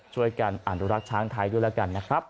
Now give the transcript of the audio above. ช่วยกันอนุรักษ์ช้างไทยด้วยแล้วกันนะครับ